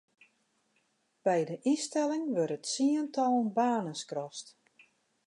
By de ynstelling wurde tsientallen banen skrast.